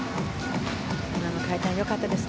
今の回転は良かったです。